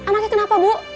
anaknya kenapa bu